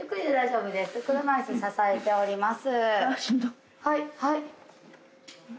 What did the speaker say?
車椅子支えております。